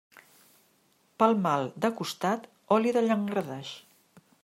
Pel mal de costat, oli de llangardaix.